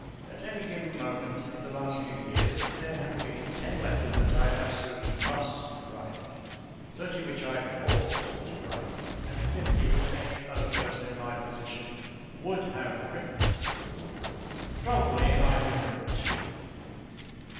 At any given moment in the last few years there have been ten letters that I absolutely must write, thirty which I ought to write, and fifty which any other person in my position would have written. Probably I have written two.